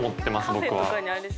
僕は。